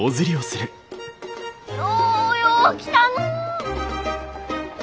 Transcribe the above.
ようよう来たのう！